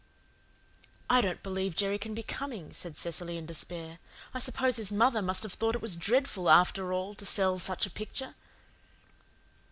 "I don't believe Jerry can be coming," said Cecily in despair. "I suppose his mother must have thought it was dreadful, after all, to sell such a picture."